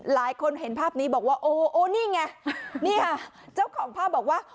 หลายคนเห็นภาพนี้บอกว่าโอ้โอ้นี่ไงนี่ค่ะเจ้าของภาพบอกว่า